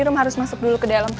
hmm harus masuk dulu ke dalam